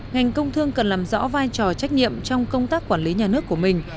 ngành công thương cần làm rõ vai trò trách nhiệm trong công tác quản lý nhà nước của mình